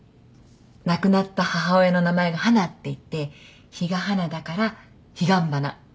亡くなった母親の名前が花っていって比嘉花だからヒガンバナ。